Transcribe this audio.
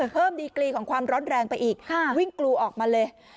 เพิ่มดีกลีของความร้อนแรงไปอีกค่ะวิ่งกลูออกมาเลย